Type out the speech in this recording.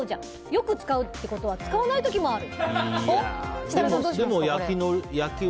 よく使うということは使わない時もある。